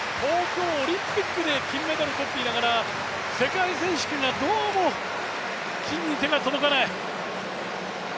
オリンピックで金メダルをとっていながら、世界選手権ではどうも金に手が届かない。